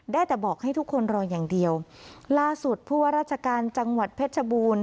ได้แต่บอกให้ทุกคนรออย่างเดียวล่าสุดผู้ว่าราชการจังหวัดเพชรบูรณ์